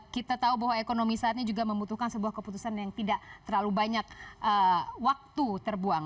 kita tahu bahwa ekonomi saat ini juga membutuhkan sebuah keputusan yang tidak terlalu banyak waktu terbuang